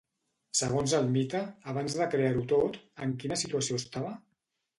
Segons el mite, abans de crear-ho tot, en quina situació estava?